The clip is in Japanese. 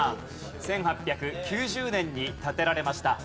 １８９０年に建てられました。